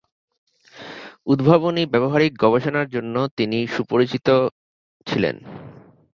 উদ্ভাবনী ব্যবহারিক গবেষণার জন্য তিনি সুপরিচিত ছিলেন।